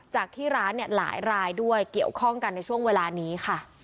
จากที่ร้านเนี่ยหลายรายด้วยเกี่ยวข้องกันในช่วงเวลานี้ค่ะ